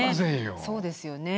そうですよね。